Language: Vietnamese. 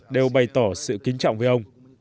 đều bày tỏ sự kính trọng với ông